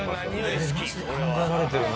マジで考えられてるな。